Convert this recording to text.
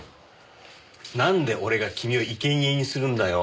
なんで俺が君をいけにえにするんだよ。